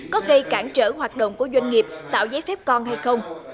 có gây cản trở hoạt động của doanh nghiệp tạo giấy phép con hay không